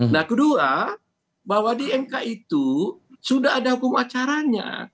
nah kedua bahwa di mk itu sudah ada hukum acaranya